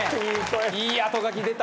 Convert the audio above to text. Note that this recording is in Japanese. いい「あとがき」出た。